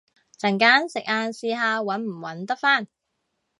陣間食晏試下搵唔搵得返